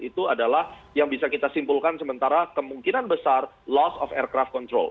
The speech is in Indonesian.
itu adalah yang bisa kita simpulkan sementara kemungkinan besar loss of aircraft control